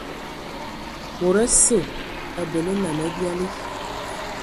Mod osə abələ nnam abiali.